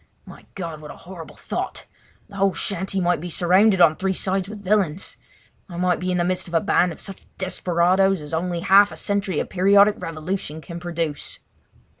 My God, what a horrible thought! The whole shanty might be surrounded on three sides with villains! I might be in the midst of a band of such desperadoes as only half a century of periodic revolution can produce.